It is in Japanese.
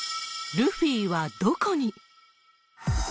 ルフィはどこに？